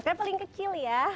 karena paling kecil ya